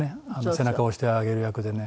背中を押してあげる役でね。